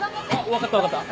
分かった分かった。